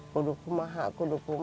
hai kalau gitu